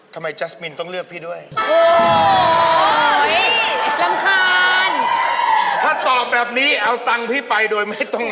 ทำไมเนินเธอต้องเลือกกับพี่ด้วย